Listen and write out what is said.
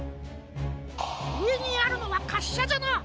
うえにあるのはかっしゃじゃな。